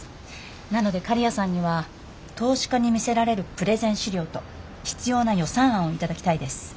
なので刈谷さんには投資家に見せられるプレゼン資料と必要な予算案を頂きたいです。